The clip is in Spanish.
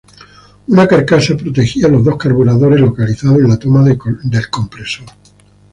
Una carcasa protegía los dos carburadores localizados en la toma del compresor.